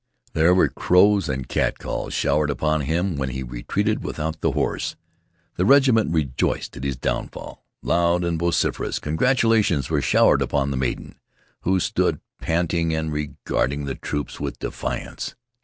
There were crows and catcalls showered upon him when he retreated without the horse. The regiment rejoiced at his downfall. Loud and vociferous congratulations were showered upon the maiden, who stood panting and regarding the troops with defiance.